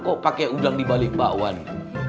kok pake undang dibalik pak wadi